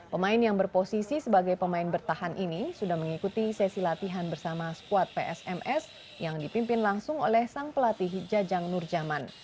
pemain yang berposisi sebagai pemain bertahan ini sudah mengikuti sesi latihan bersama skuad psms yang dipimpin langsung oleh sang pelatih jajang nurjaman